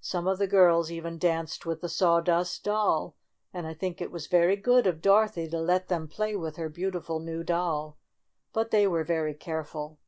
Some of the girls even danced with the Sawdust Doll, and I think it was very good of Dorothy to let them play with her beautiful new doll. But they were very careful.